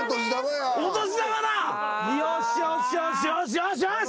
よし！